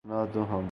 اب نہ تو ہم